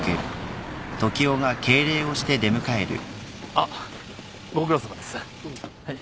あっご苦労さまです。